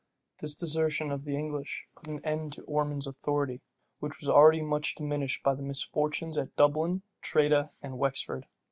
This desertion of the English put an end to Ormond's authority, which was already much diminished by the misfortunes at Dublin, Tredah, and Wexford.